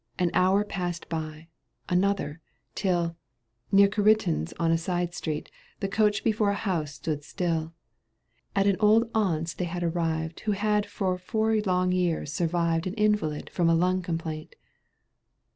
An hour passed by — another — tiU, Near Khariton's in a side street The coach before a house stood still. At an old aunt's they had arrived Who had for four long years survived An invalid from lung complaint.